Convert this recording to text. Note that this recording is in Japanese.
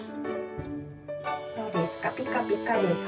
どうですかピカピカです？